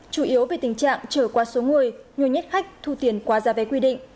chủ yếu về tình trạng trở qua số người nhiều nhất khách thu tiền quá ra vé quy định